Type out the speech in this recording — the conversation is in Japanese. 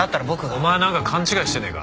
お前なんか勘違いしてねえか？